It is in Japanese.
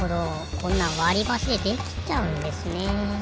こんなんわりばしでできちゃうんですね。